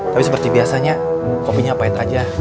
tapi seperti biasanya kopinya pahit aja